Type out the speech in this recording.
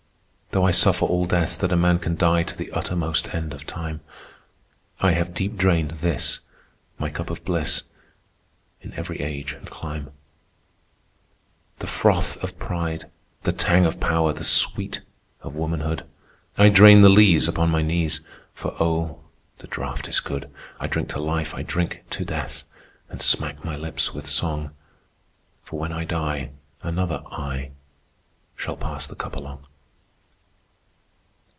Though I suffer all deaths that a man can die To the uttermost end of time, I have deep drained this, my cup of bliss, In every age and clime— "The froth of Pride, the tang of Power, The sweet of Womanhood! I drain the lees upon my knees, For oh, the draught is good; I drink to Life, I drink to Death, And smack my lips with song, For when I die, another 'I' shall pass the cup along.